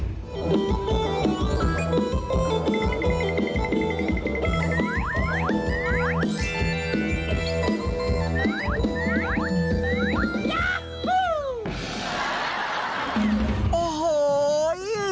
ย้าหู้